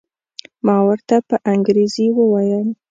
ما ورته په انګریزي وویل.